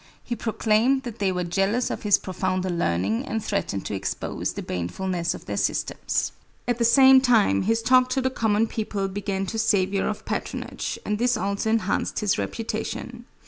He proclaimed that they were jealous of his profounder learning, and threatened to expose the banefulness of their systems. At the same time, his talk to the common people began to savor of patronage, and this also enhanced his reputation.